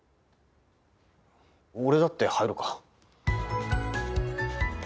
俺だって入るか！